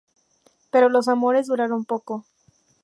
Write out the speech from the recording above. Pero los amores duraron poco.